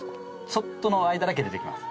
ちょっとの間だけ出てきます。